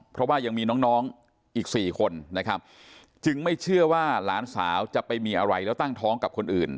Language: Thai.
เพราะว่ายังมีน้องน้องอีก๔คนนะครับจึงไม่เชื่อว่าหลานสาวจะไปมีอะไรแล้วตั้งท้องกับคนอื่น